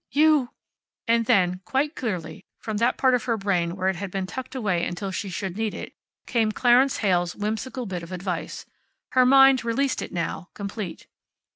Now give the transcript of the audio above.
You!" And then, quite clearly, from that part of her brain where it had been tucked away until she should need it, came Clarence Heyl's whimsical bit of advice. Her mind released it now, complete.